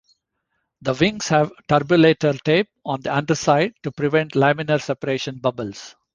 The wings have turbulator tape on the underside to prevent laminar separation bubbles.